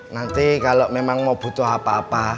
nanti kalau memang mau butuh apa apa